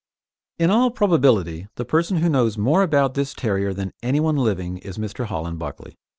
In all probability, the person who knows more about this terrier than anyone living is Mr. Holland Buckley.